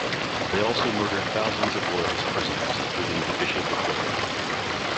They also murdered thousands of royalist prisoners including the Bishop of Dol.